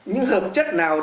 những hợp chất nào